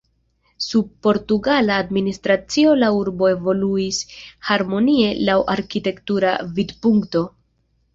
Sub portugala administracio la urbo evoluis harmonie laŭ arkitektura vidpunkto.